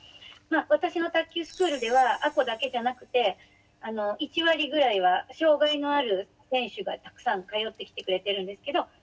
私の卓球スクールでは亜子だけじゃなくてあの１割ぐらいは障害のある選手がたくさん通ってきてくれてるんですけど。